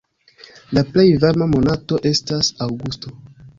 La plej varma monato estas aŭgusto.